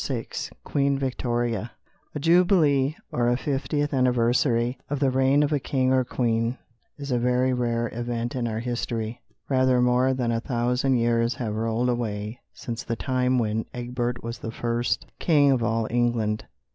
VI QUEEN VICTORIA A JUBILEE, or a fiftieth anniversary of the reign of a king or queen, is a very rare event in our history. Rather more than a thousand years have rolled away since the time when Egbert was the first king of all England.